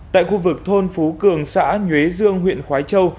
tại khu vực thôn phú cường xã nhuế dương huyện khói châu